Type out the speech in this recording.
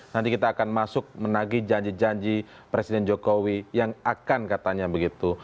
nanti kita akan masuk menagi janji janji presiden jokowi yang akan katanya begitu